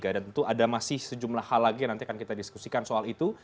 dan tentu ada masih sejumlah hal lagi nanti akan kita diskusikan soal itu